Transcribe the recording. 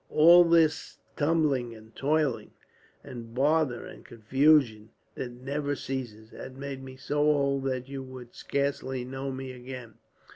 All this tumbling and toiling, and bother and confusion that never ceases, has made me so old that you would scarcely know me again.